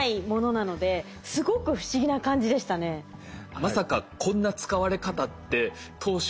まさかこんな使われ方って当初。